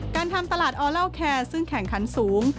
การทำตลาดออเล่าแคร์ซึ่งแข่งขันสูง